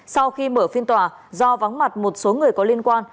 sau khi mở phiên tòa do vắng mặt một số người có liên quan